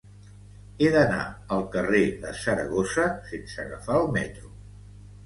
He d'anar al carrer de Saragossa sense agafar el metro.